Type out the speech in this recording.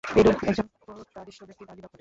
এইরূপে একজন প্রত্যাদিষ্ট ব্যক্তির আবির্ভাব ঘটে।